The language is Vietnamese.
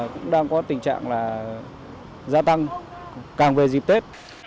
cũng đang có tình trạng là gia tăng càng về dịp tết